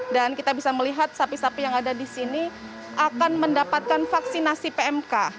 dan kita bisa melihat sapi sapi yang ada di sini akan mendapatkan vaksinasi pmk